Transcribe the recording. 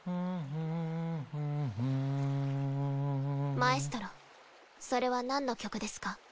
マエストロそれは何の曲ですか？